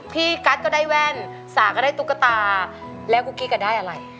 กัสก็ได้แว่นสาก็ได้ตุ๊กตาแล้วกุ๊กกิ๊กได้อะไร